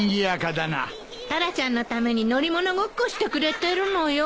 タラちゃんのために乗り物ごっこしてくれてるのよ。